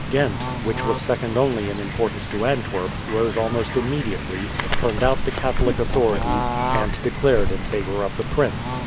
Ghent, which was second only in importance to Antwerp, rose almost immediately, turned out the Catholic authorities, and declared in favour of the prince.